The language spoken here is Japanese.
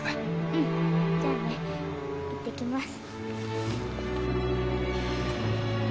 うんじゃあいってきます。